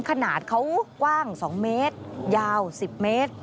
ขนาดเขากว้าง๒เมตรยาว๑๐เมตร